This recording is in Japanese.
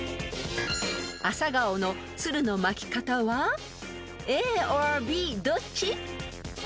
［アサガオのつるの巻き方はＡｏｒＢどっち？］